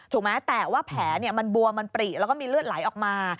แม้แต่ว่าแผลมันบวมมันปริแล้วก็มีเลือดไหลออกมา